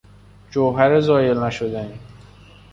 جوهر زایل نشدنی